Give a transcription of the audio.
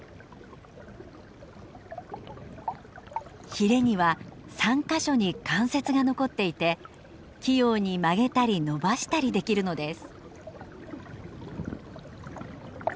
ひれには３か所に関節が残っていて器用に曲げたり伸ばしたりできるのです。